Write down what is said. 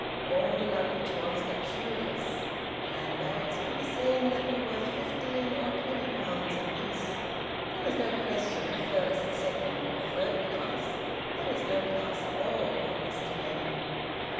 All the luggage was luxurious; handbags could be seen that were worth fifteen or twenty pounds apiece. There was no question of first, second, or third class; there was no class at all on this train.